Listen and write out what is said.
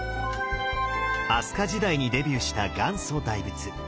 飛鳥時代にデビューした元祖大仏。